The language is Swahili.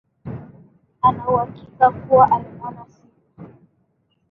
Ana uhakika kuwa alimwona simba